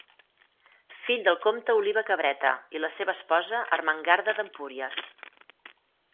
Fill del comte Oliba Cabreta i la seva esposa Ermengarda d'Empúries.